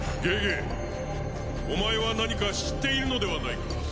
ゲゲお前は何か知っているのではないか？